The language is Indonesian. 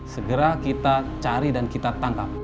segera kita cari dan kita tangkap